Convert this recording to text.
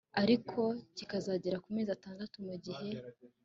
ariko kitageze ku mezi atandatu mu gihe